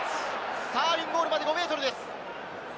インゴールまで５ｍです。